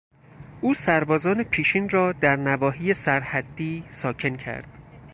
او سربازان پیشین را در نواحی سر حدی ساکن کرد.